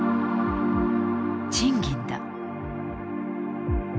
賃金だ。